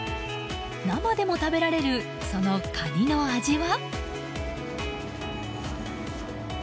生でも食べられるそのカニの味は？